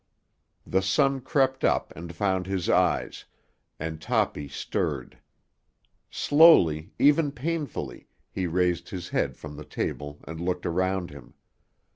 The sun crept up and found his eyes, and Toppy stirred. Slowly, even painfully, he raised his head from the table and looked around him.